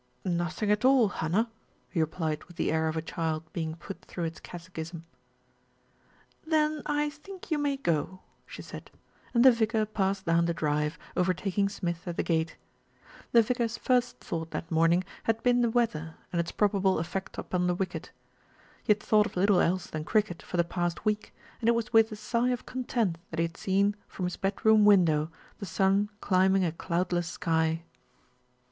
"Nothing at all, Hannah," he replied with the air of a child being put through its catechism. "Then I think you may go," she said, and the vicar passed down the drive, overtaking Smith at the gate. The vicar's first thought that morning had been the weather and its probable effect upon the wicket. He had thought of little else than cricket for the past week, and it was with a sigh of content that he had seen, from his bedroom window, the sun climbing a cloudless sky.